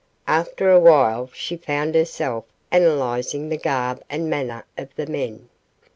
After awhile she found herself analyzing the garb and manner of the men.